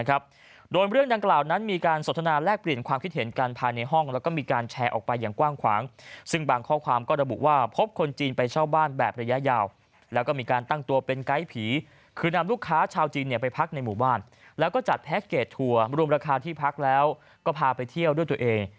คือนำลูกค้าชาวจีนเนี่ยไปพักในหมู่บ้านแล้วก็จัดแพ็คเกจทัวร์รวมราคาที่พักแล้วก็พาไปเที่ยวด้วยตัวเอง